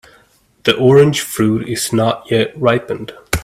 The orange fruit is not yet ripened.